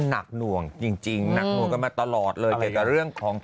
ทำไมจบเลยได้ไหม